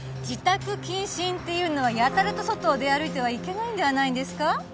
自宅謹慎っていうのはやたらと外を出歩いてはいけないんではないんですか？